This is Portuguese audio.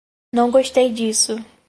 Não gostei disso